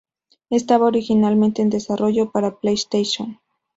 Estaba originalmente en desarrollo para PlayStation.